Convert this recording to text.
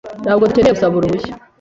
Ntabwo dukeneye gusaba uruhushya.